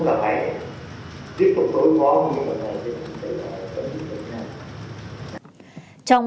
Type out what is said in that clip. như là phải tiếp tục tối phóng